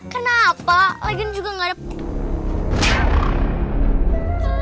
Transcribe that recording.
kenapa lagi ini juga nggak ada